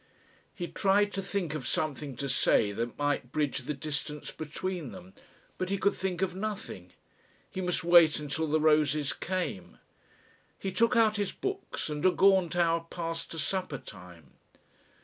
He tried to think of something to say that might bridge the distance between them, but he could think of nothing. He must wait until the roses came. He took out his books and a gaunt hour passed to supper time.